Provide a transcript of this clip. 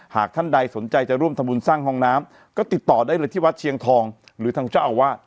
หากท่านใดสนใจจะร่วมทำบุญสร้างห้องน้ำก็ติดต่อได้เลยที่วัดเชียงทองหรือทางเจ้าอาวาส